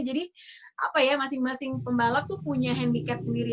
jadi apa ya masing masing pembalap tuh punya handicap sendiri